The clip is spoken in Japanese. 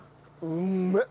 うんめえ！